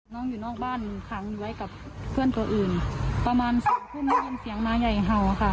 อยู่นอกบ้านขังอยู่ไว้กับเพื่อนตัวอื่นประมาณสองทุ่มได้ยินเสียงน้าใหญ่เห่าค่ะ